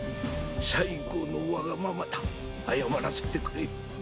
最後のわがままだ謝らせてくれ。